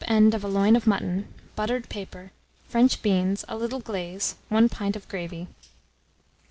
The chump end of a loin of mutton, buttered paper, French beans, a little glaze, 1 pint of gravy.